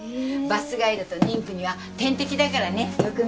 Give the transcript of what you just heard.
バスガイドと妊婦には天敵だからねむくみはね。